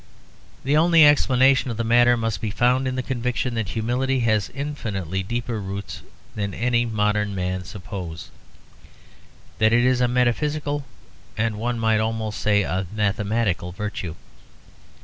The only explanation of the matter must be found in the conviction that humility has infinitely deeper roots than any modern men suppose; that it is a metaphysical and, one might almost say, a mathematical virtue.